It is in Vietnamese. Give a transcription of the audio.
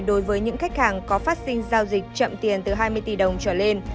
đối với những khách hàng có phát sinh giao dịch chậm tiền từ hai mươi tỷ đồng trở lên